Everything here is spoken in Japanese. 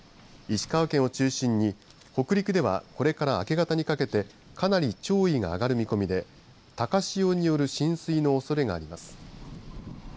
石川県を中心に北陸ではこれから明け方にかけてかなり潮位が上がる見込みで高潮による浸水のおそれがあります。